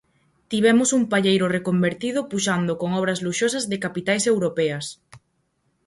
Tivemos un palleiro reconvertido puxando con obras luxosas de capitais europeas.